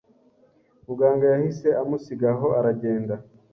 Muganga yahise amusiga aho aragenda